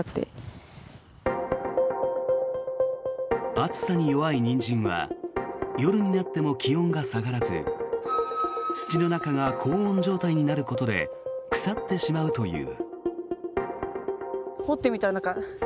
暑さに弱いニンジンは夜になっても気温が下がらず土の中が高温状態になることで腐ってしまうという。